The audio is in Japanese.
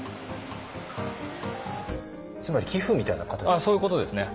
つまり寄付みたいな形ですか？